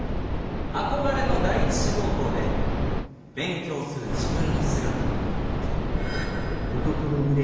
憧れの第１志望校で勉強する自分の姿を。